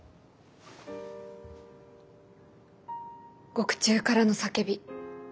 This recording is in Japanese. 「獄中からの叫び」。